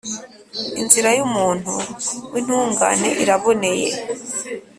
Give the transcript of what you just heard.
Inzira y’umuntu w’intungane iraboneye,